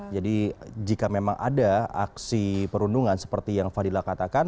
jadi jika memang ada aksi perundungan seperti yang fadila katakan